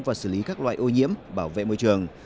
và xử lý các loại ô nhiễm bảo vệ môi trường